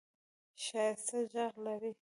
ښایسته ږغ لرې !